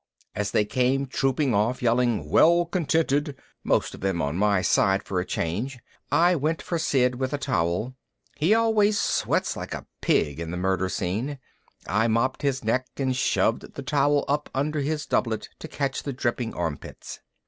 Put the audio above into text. As they came trooping off, yelling "Well contented," most of them on my side for a change, I went for Sid with a towel. He always sweats like a pig in the Murder Scene. I mopped his neck and shoved the towel up under his doublet to catch the dripping armpits.